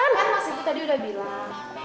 kan mas itu tadi udah bilang